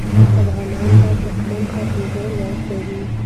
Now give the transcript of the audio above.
افغانان به دښمن ته پېغور ورکوي.